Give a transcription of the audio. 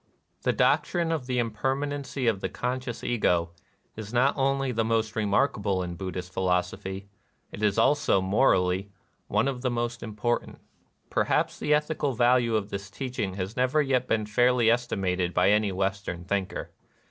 The doctrine of the impermanency of the conscious Ego is not only the most remark able in Buddhist philosophy: it is also. 228 NIRVANA morally, one of the most important. Per haps the ethical value of this teaching has never yet been fairly estimated by any West ern thinker.